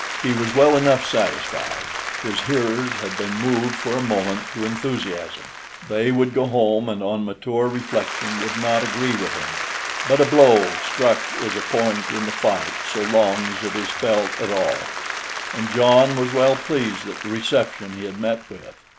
He was well enough satisfied. His hearers had been moved for a moment to enthusiasm. They would go home and on mature reflection would not agree with him; but a blow struck is a point in the fight so long as it is felt at all, and John was well pleased at the reception he had met with.